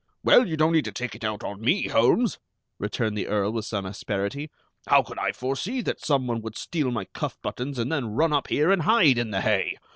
"Well, you don't need to take it out on me, Holmes," returned the Earl with some asperity. "How could I foresee that some one would steal my cuff buttons and then run up here and hide in the hay?